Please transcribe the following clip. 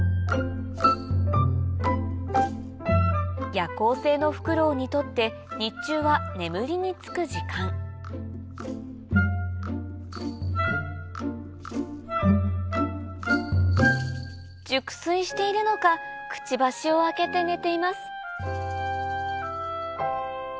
夜行性のフクロウにとって日中は眠りにつく時間熟睡しているのかくちばしを開けて寝ています